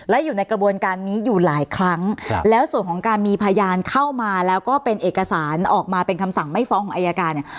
และอยู่ในกระบวนการนี้อยู่หลายครั้งแล้วส่วนของการมีพยานเข้ามาแล้วก็เป็นเอกสารออกมาเป็นคำสั่งไม่ฟ้องของอายการเนี่ย